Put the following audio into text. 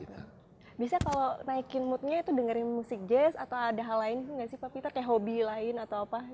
biasanya kalau naikin moodnya itu dengerin musik jazz atau ada hal lain gitu gak sih pak peter